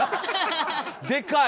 でかい！